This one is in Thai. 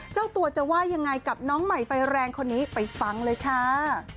เจ้าตัวจะว่ายังไงกับน้องใหม่ไฟแรงคนนี้ไปฟังเลยค่ะ